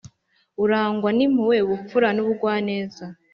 Urangwa n’impuhwe ubupfura n’ubugwa neza